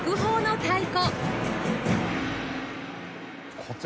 太鼓！